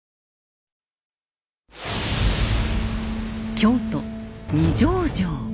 京都・二条城。